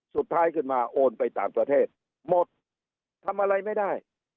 สุดท้ายขึ้นมาโอนไปต่างประเทศหมดทำอะไรไม่ได้